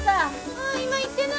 あー今行ってな。